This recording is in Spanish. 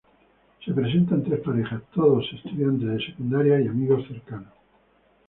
Se presentan tres parejas, todos estudiantes de secundaria y amigos cercanos.